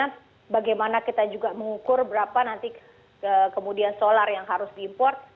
dan bagaimana kita juga mengukur berapa nanti kemudian solar yang harus diimport